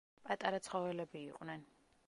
პატარა ცხოველები იყვნენ.